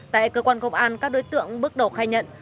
tại cơ quan công an các đối tượng bước đầu khai nhận